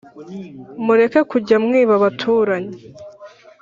Mureke kujya mwiba abaturanyi